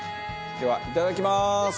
一同：いただきます！